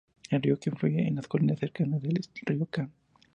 El río que fluye en las colinas cercanas es el río Cam.